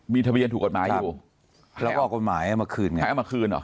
มีทะเบียนถูกกฎหมายอยู่แล้วก็เอากฎหมายเอามาคืนไงเอามาคืนเหรอ